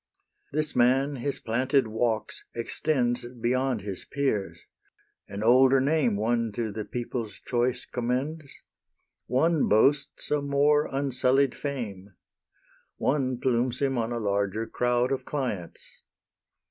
This man his planted walks extends Beyond his peers; an older name One to the people's choice commends; One boasts a more unsullied fame; One plumes him on a larger crowd Of clients.